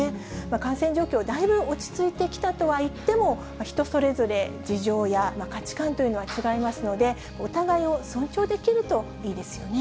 感染状況、だいぶ落ち着いてきたとはいっても、人それぞれ、事情や価値観というのは違いますので、お互いを尊重できるといいですよね。